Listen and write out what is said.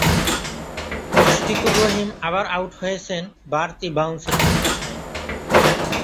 মুশফিকুর রহিম আবার আউট হয়েছেন বাড়তি বাউন্সের প্রত্যাশায়।